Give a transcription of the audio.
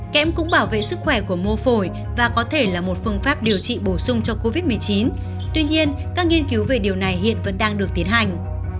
kem cũng bảo vệ sức khỏe của mô phổi và có thể là một phương pháp điều trị bổ sung cho covid một mươi chín tuy nhiên các nghiên cứu về điều này hiện vẫn đang được tiến hành